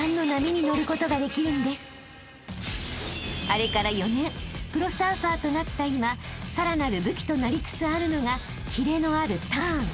［あれから４年プロサーファーとなった今さらなる武器となりつつあるのがキレのあるターン］